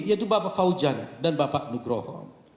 yaitu bapak faujan dan bapak nugroho